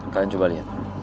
kalian coba lihat